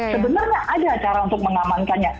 sebenarnya ada cara untuk mengamankannya